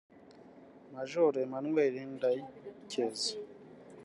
Major Emmanuel Ndayikeza